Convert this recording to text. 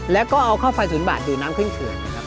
แล้วก็เอาข้าวไฟศูนย์บ่านดูดน้ำเคลื่อนนะครับ